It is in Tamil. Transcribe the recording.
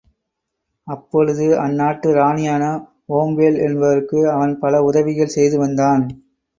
அப்பொழுது அந்நாட்டு இராணியான ஒம்பேல் என்பவளுக்கு அவன் பல உதவிகள் செய்து வந்தான்.